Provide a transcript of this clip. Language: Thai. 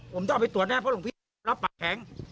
ผมจะเอาไปตรวจแรงพวกหลวงพี่จะรับปักแข็ง